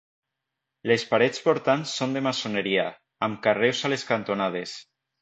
Les parets portants són de maçoneria, amb carreus a les cantonades.